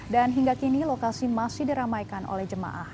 dan hingga kini lokasi masih diramaikan oleh jemaah